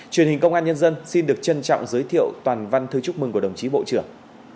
truyền hình công an nhân dân xin được trân trọng giới thiệu toàn văn thư chúc mừng của đồng chí bộ trưởng